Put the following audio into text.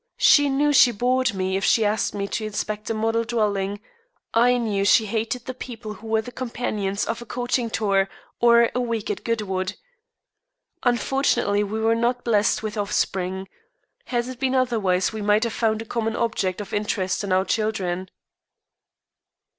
She knew she bored me if she asked me to inspect a model dwelling; I knew she hated the people who were the companions of a coaching tour or a week at Goodwood. Unfortunately, we were not blessed with offspring. Had it been otherwise, we might have found a common object of interest in our children.